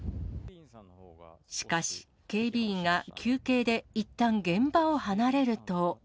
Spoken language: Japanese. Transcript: しかし、警備員が休憩でいったん現場を離れると。